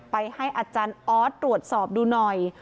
ไปให้อาจารย์ออสตรวจสอบดูหน่อย